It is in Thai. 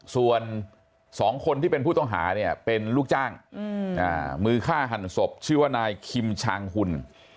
ส่วน๒คนที่เป็นผู้ต้องหาเนี่ยเป็นลูกจ้างมือฆ่าหันศพชื่อว่านายคิมชางหุ่น